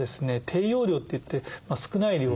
低用量っていって少ない量。